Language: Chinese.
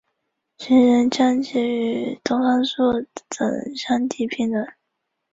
时人将其与东方朔等相提并比。